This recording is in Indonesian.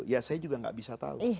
ya saya juga nggak bisa tahu